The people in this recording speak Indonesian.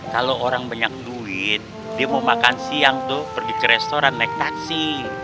kalau orang banyak duit dia mau makan siang tuh pergi ke restoran naik taksi